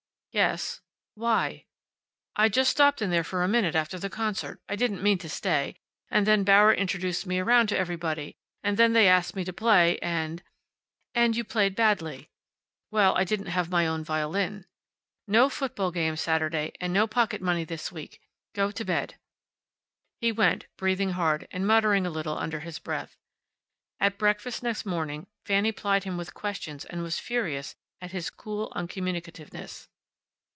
"Yes." "Why?" "I just stopped in there for a minute after the concert. I didn't mean to stay. And then Bauer introduced me around to everybody. And then they asked me to play, and " "And you played badly." "Well, I didn't have my own violin." "No football game Saturday. And no pocket money this week. Go to bed." He went, breathing hard, and muttering a little under his breath. At breakfast next morning Fanny plied him with questions and was furious at his cool uncommunicativeness.